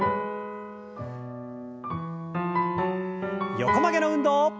横曲げの運動。